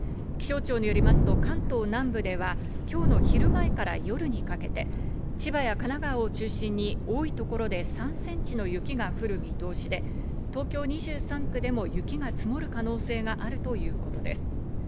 気象庁によりますと関東南部では今日の昼前から夜にかけて、千葉や神奈川を中心に多い所で３ｃｍの雪が降る見通しで、東京２３区でも雪が積もる可能性があるということです。